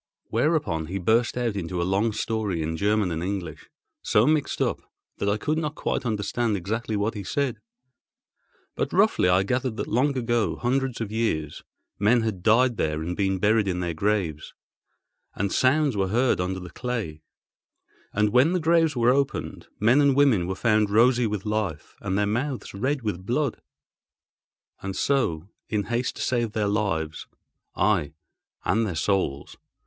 Whereupon he burst out into a long story in German and English, so mixed up that I could not quite understand exactly what he said, but roughly I gathered that long ago, hundreds of years, men had died there and been buried in their graves; and sounds were heard under the clay, and when the graves were opened, men and women were found rosy with life, and their mouths red with blood. And so, in haste to save their lives (aye, and their souls!